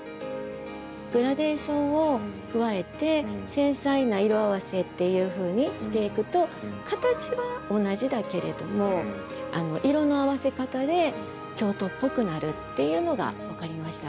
グラデーションを加えて繊細な色合わせというふうにしていくと形は同じだけれども色の合わせ方で京都っぽくなるというのが分かりました。